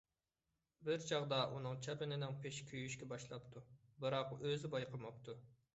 بىر چاغدا ئۇنىڭ چاپىنىنىڭ پېشى كۆيۈشكە باشلاپتۇ، بىراق ئۆزى بايقىماپتۇ.